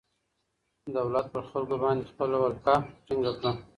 دولت په خلګو باندې خپله ولکه ټینګه کړه.